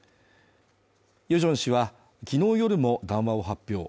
ヨジョン氏は、昨日夜も談話を発表。